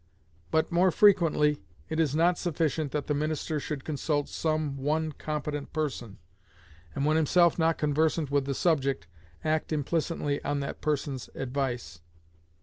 But, more frequently, it is not sufficient that the minister should consult some one competent person, and, when himself not conversant with the subject, act implicitly on that person's advice.